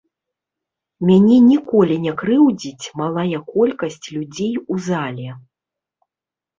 Мяне ніколі не крыўдзіць малая колькасць людзей у зале.